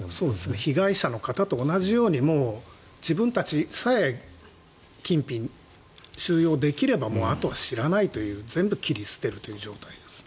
被害者の方と同じように自分たちさえ金品、収容できればあとは知らないという全部切り捨てるという状態ですね。